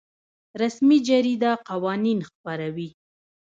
رسمي جریده قوانین خپروي